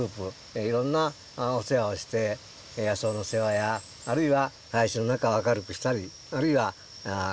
いろんなお世話をして野草の世話やあるいは林の中を明るくしたりあるいはきれいにしたりしておられます。